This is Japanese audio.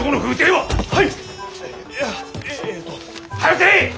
はい！